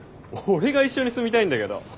俺が一緒に住みたいんだけど。